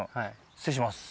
失礼します。